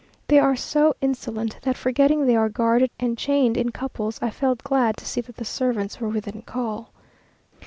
They are so insolent, that forgetting they are guarded and chained in couples, I felt glad to see that the servants were within call.